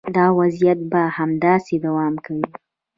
دا وضعیت به همداسې دوام کوي.